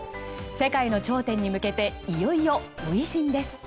世界の頂点に向けていよいよ初陣です。